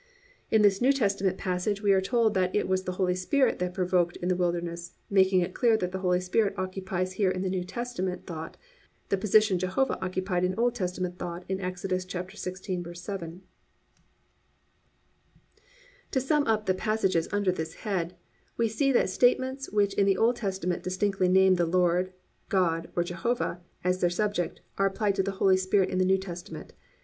"+ In this New Testament passage we are told that it was the Holy Spirit that they provoked in the wilderness, making it clear that the Holy Spirit occupies here in New Testament thought the position Jehovah occupied in Old Testament thought in Exodus 16:7. To sum up the passages under this head, we see that statements which in the Old Testament distinctly name the Lord, God or Jehovah, as their subject, are applied to the Holy Spirit in the New Testament.